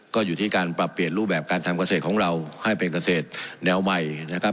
ก็อยู่ที่การปรับเปลี่ยนรูปแบบการทำเกษตรของเราให้เป็นเกษตรแนวใหม่นะครับ